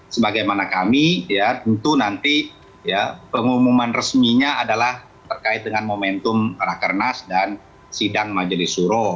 sebagaimana kami ya tentu nanti pengumuman resminya adalah terkait dengan momentum rakernas dan sidang majelis suro